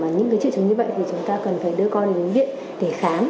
những triệu chứng như vậy thì chúng ta cần phải đưa con đến viện để khám